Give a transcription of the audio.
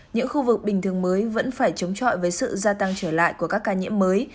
những khu vực bình thường mới vẫn phải chống chọi với sự gia tăng trở lại của các ca nhiễm mới